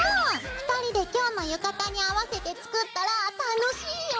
２人で今日の浴衣に合わせて作ったら楽しいよ！